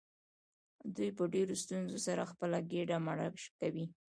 دوی په ډیرو ستونزو سره خپله ګیډه مړه کوي.